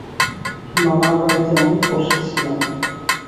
মামার বাড়িতে অনেক কষ্টে ছিলাম।